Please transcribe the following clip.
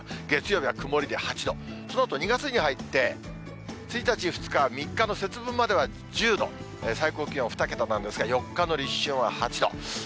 月曜日は曇りで８度、そのあと、２月に入って１日、２日、３日の節分までは１０度、最高気温２桁なんですが、４日の立春は８度。